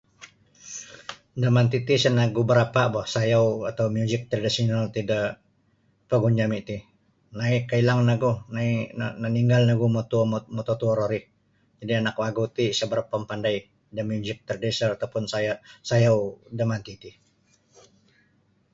Da manti ti isa nogu barapa bo sayau atau muzik tradisional ti da pogun jami ti nai' kailang ogu nai' naninggal nogu motuo-mototuo-mototuo ro ri jadi anak wagu ti isa barapa mapandai da muzik tradisional atau pun sayau sayau da manti ti.